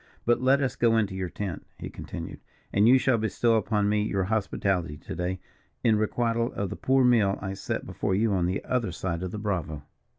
But let us go in to your tent," he continued, "and you shall bestow upon me your hospitality to day, in requital of the poor meal I set before you on the other side of the Bravo."